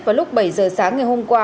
vào lúc bảy giờ sáng ngày hôm qua